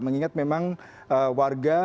mengingat memang warga